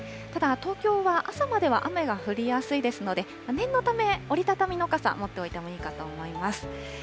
ただ、東京は朝までは雨が降りやすいですので、念のため、折り畳みの傘、持っておいていいかと思います。